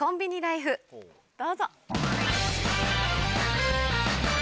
どうぞ。